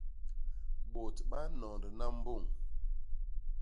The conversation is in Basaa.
Bôt ba nnondna mbôñ.